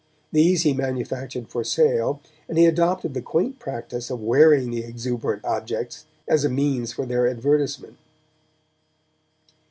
These he manufactured for sale, and he adopted the quaint practice of wearing the exuberant objects as a means for their advertisement.